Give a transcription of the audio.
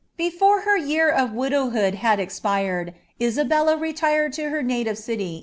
Before her year of wiilowhood liad espiied, l«al>ella retired U) her native city.